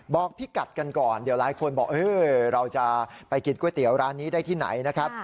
บอกพี่กัดกันก่อนเดี๋ยวหลายคนบอกเราจะไปกินก๋วยเตี๋ยวร้านนี้ได้ที่ไหนนะครับ